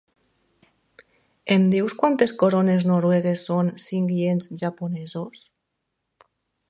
Em dius quantes corones noruegues són cinc iens japonesos?